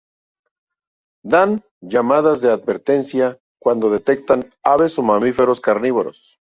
Dan llamadas de advertencia cuando detectan aves o mamíferos carnívoros.